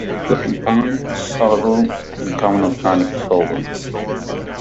The compound is soluble in common organic solvents.